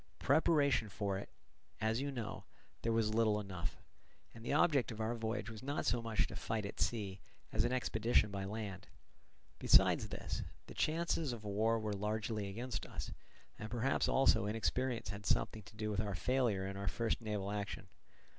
Preparation for it, as you know, there was little enough; and the object of our voyage was not so much to fight at sea as an expedition by land. Besides this, the chances of war were largely against us; and perhaps also inexperience had something to do with our failure in our first naval action.